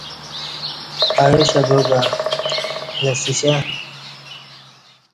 ایاشہ بعاکہ لسیشہ